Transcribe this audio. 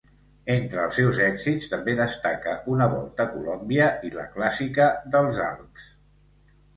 Entre els seus èxits també destaca una Volta a Colòmbia i la Clàssica dels Alps.